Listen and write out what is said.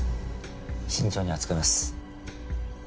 慎重に扱います。